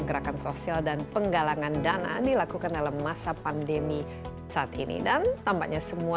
gerakan sosial dan penggalangan dana dilakukan dalam masa pandemi saat ini dan tampaknya semua